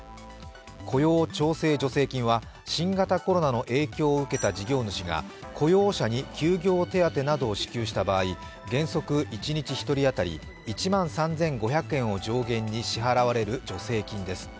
雇用調整助成金は新型コロナの影響を受けた事業主が雇用者に休業手当などを支給した場合、原則一日１人当たり１万３５００円を上限に支払われる助成金です。